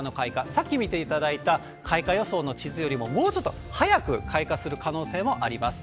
さっき見ていただいた開花予想の地図よりも、もうちょっと早く開花する可能性もあります。